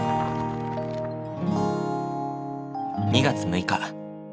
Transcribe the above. ２月６日。